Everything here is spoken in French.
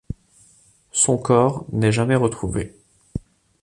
Son corps n'est jamais retrouvé.